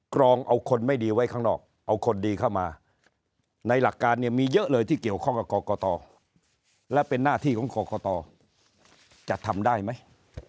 รองเอาคนไม่ดีไว้ข้างนอกเอาคนดีเข้ามาในหลักการเนี่ยมีเยอะเลยที่เกี่ยวข้องกับกรกตและเป็นหน้าที่ของกรกตจะทำได้ไหม